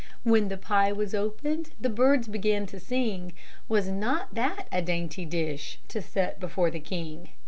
When the pie was opened The birds began to sing; Was not that a dainty dish To set before the king?